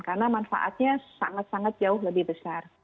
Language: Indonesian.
karena manfaatnya sangat sangat jauh lebih besar